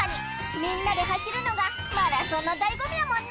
みんなではしるのがマラソンのだいごみやもんな！